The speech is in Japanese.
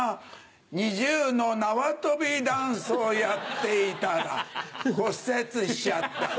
ＮｉｚｉＵの縄跳びダンスをやっていたら骨折しちゃった。